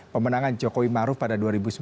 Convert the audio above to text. pemenangan jokowi maruf pada dua ribu sembilan belas